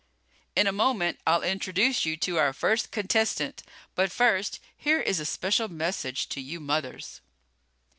In a moment I'll introduce you to our first contestant. But first here is a special message to you mothers